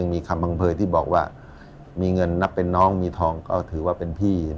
มีคำบังเภยที่บอกว่ามีเงินนับเป็นน้องมีทองก็ถือว่าเป็นพี่